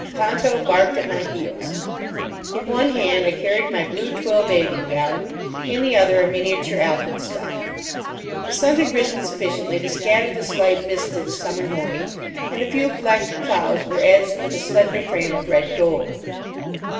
Ponto barked at my heels. In one hand I carried my blue twill bathing gown. In the other a miniature alpenstock. The sun had risen sufficiently to scatter the slight mist of the summer morning, and a few flecked clouds were edged with a slender frame of red gold.